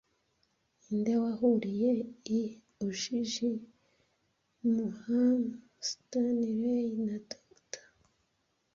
Ninde wahuriye i Ujiji mu HM Stanley na Dr.